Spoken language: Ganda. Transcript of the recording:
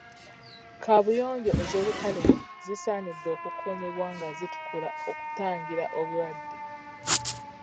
Kabuyonjo ez'olukale zisaanidde okukuumibwa nga zitukula okutangira obulwadde.